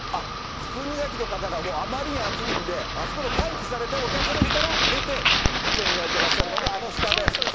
靴磨きの方が、もうあまりに暑いんで、あそこで待機されて、お客さんが来たら出て、靴を磨いてらっしゃるのが、あの下で。